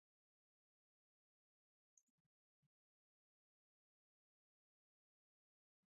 However, in any case, no special measures were taken to conserve timber.